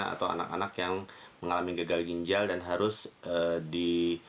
atau anak anak yang mengalami gagal ginjal dan harus di